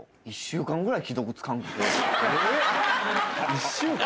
１週間？